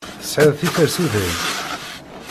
Tesɛid tiferṣuday?